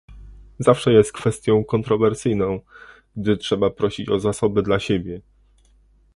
Zawsze jest kwestią kontrowersyjną, gdy trzeba prosić o zasoby dla siebie